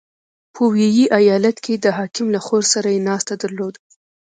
• په ویي ایالت کې د حاکم له خور سره یې ناسته درلوده.